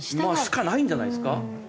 しかないんじゃないですか？